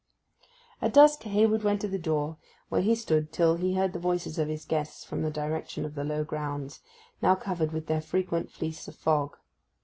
At dusk Hayward went to the door, where he stood till he heard the voices of his guests from the direction of the low grounds, now covered with their frequent fleece of fog.